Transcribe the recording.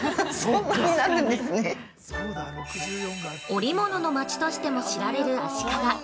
◆織物の街としても知られる足利。